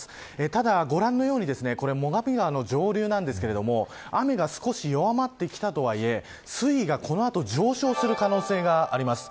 ただ、ご覧のように最上川の上流ですが雨が少し弱まってきたとはいえ水位がこの後上昇する可能性があります。